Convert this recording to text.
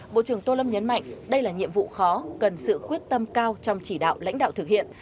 bộ trưởng tô lâm nhấn mạnh đây là nhiệm vụ khó cần sự quyết tâm cao trong chỉ đạo lãnh đạo thực hiện